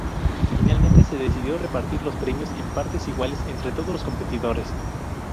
Finalmente se decidió repartir los premios en partes iguales entre todos los competidores.